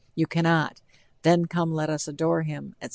You cannot, 'Then, come, let us adore him,'" etc.